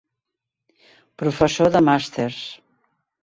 Professor de màsters.